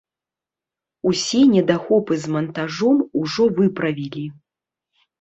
Усе недахопы з мантажом ужо выправілі.